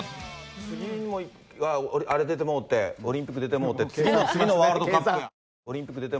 次はあれ出てもうて、オリンピック出てもうて、次の次のワールドカップ。